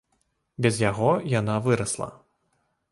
Без яго яна вырасла.